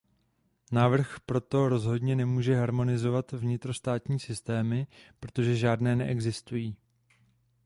Návrh proto rozhodně nemůže harmonizovat vnitrostátní systémy, protože žádné neexistují.